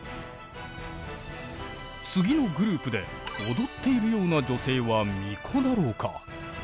次のグループで踊っているような女性は巫女だろうか。